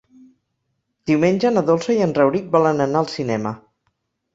Diumenge na Dolça i en Rauric volen anar al cinema.